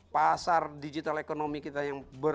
pasar digital ekonomi kita yang